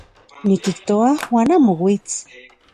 Nikijtoa Juan amo uits.